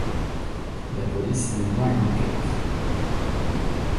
La police mènera une enquête.